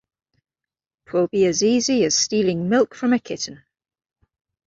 ’Twill be as easy as stealing milk from a kitten.